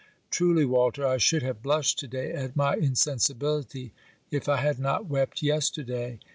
Truly, Walter, I should have blushed to day at my insensibility if I had not wept yesterday.